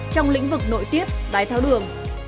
trong lĩnh vực nội tiết đáy tháo đường